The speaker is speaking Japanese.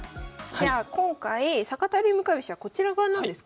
じゃあ今回坂田流向かい飛車こちら側なんですか？